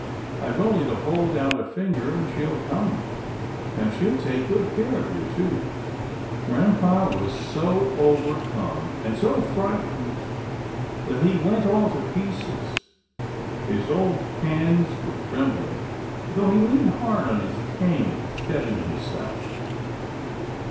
I've only to hold out a finger, and she'll come, and she'd take good care of you too." Grampa was so overcome, and so frightened that he went all to pieces. His old hands were trem bling, though he leaned hard on his cane to steady himself.